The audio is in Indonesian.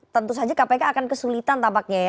tentu saja kpk akan kesulitan tampaknya ya